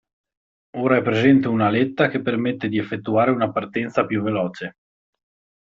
Ora è presente una aletta che permette di effettuare una partenza più veloce.